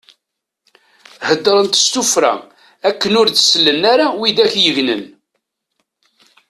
Heddṛent s tuffra akken ur d-sellen ara widak i yegnen.